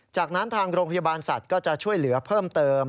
จากนั้นทางโรงพยาบาลสัตว์ก็จะช่วยเหลือเพิ่มเติม